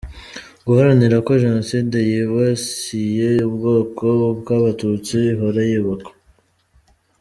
– guharanira ko jenoside yibasiye ubwoko bw’Abatutsi ihora yibukwa